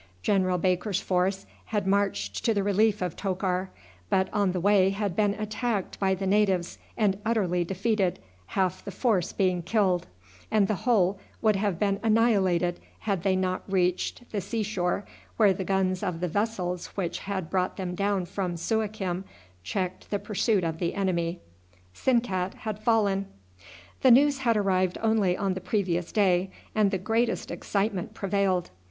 General Baker's force had marched to the relief of Tokar, but on the way had been attacked by the natives and utterly defeated, half the force being killed; and the whole would have been annihilated had they not reached the sea shore, where the guns of the vessels which had brought them down from Suakim checked the pursuit of the enemy. Sinkat had fallen. The news had arrived only on the previous day, and the greatest excitement prevailed.